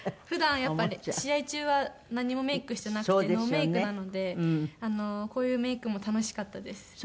普段やっぱり試合中は何もメイクしてなくてノーメイクなのでこういうメイクも楽しかったです。